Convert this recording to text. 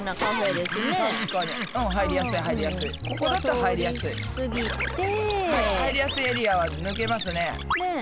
入りやすいエリアは抜けますね。